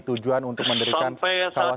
tujuan untuk menderikan kawasan wisata